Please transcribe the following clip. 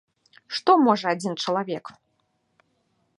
Што можа адзін чалавек?